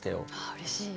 あうれしい。